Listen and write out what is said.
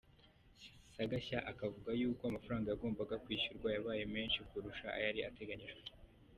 Sagashya akavuga yuko amafaranga yagombaga kwishyurwa yabaye menshi kurusha ayari ateganijwe.